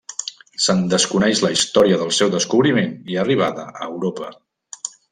Se'n desconeix la història del seu descobriment i arribada a Europa.